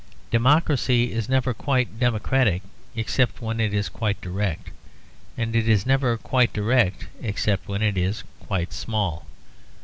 Democracy is never quite democratic except when it is quite direct; and it is never quite direct except when it is quite small.